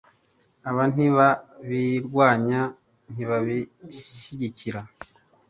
aba ntibabirwanya, ntibabishyigikira